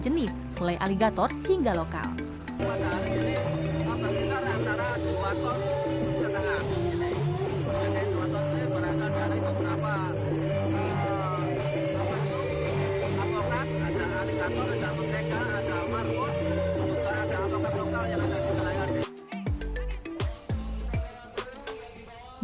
jenis mulai aligator hingga lokal hai masalah ini akan bisa rancangan dua ton setengah ini